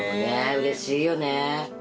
うれしいよね。